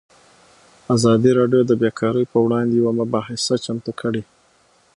ازادي راډیو د بیکاري پر وړاندې یوه مباحثه چمتو کړې.